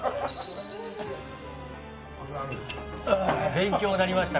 勉強になりました